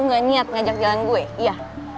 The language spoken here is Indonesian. gak niat ngajak jalan gue iya